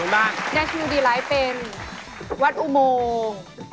บางทีอยู่ดีเป็นวัดอุโมงค์